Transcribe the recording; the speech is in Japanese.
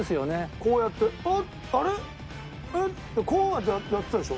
こうやって「あっあれ？えっ？」。こうやってたでしょ？